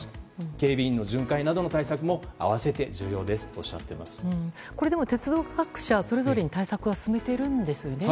警備員の巡回などの対策も合わせて重要ですと鉄道各社それぞれに対策は進めているんですよね？